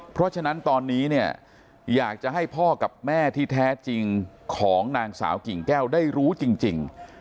เพราะฉะนั้นตอนนี้เนี่ยอยากจะให้พ่อกับแม่ที่แท้จริงของนางสาวกิ่งแก้วได้รู้จริง